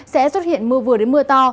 sẽ xuất hiện mưa vừa đến mưa to